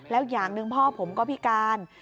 แล้วอย่างหนึ่งพ่อผมก็พิการ